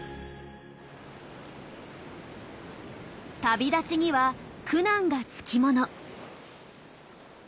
旅立ちには苦難がつきもの。